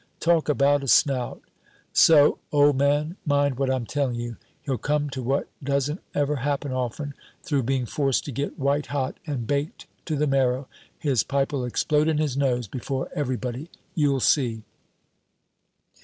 Talk about a snout! So, old man, mind what I'm telling you, he'll come to what doesn't ever happen often; through being forced to get white hot and baked to the marrow, his pipe'll explode in his nose before everybody. You'll see."